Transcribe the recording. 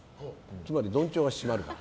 つまり、どん帳が閉まるから。